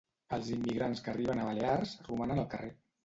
Els immigrants que arriben a Balears romanen al carrer.